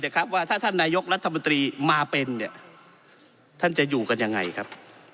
ว่าถ้าท่านนายกรัฐมนตรีมาเป็นเนี่ยท่านจะอยู่กันยังไงครับ